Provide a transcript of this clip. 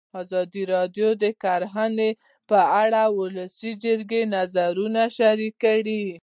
ازادي راډیو د کرهنه په اړه د ولسي جرګې نظرونه شریک کړي.